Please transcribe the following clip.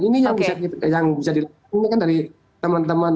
ini yang bisa dilakukan dari teman teman